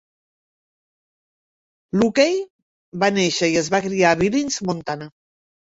Luckey va néixer i es va criar a Billings, Montana.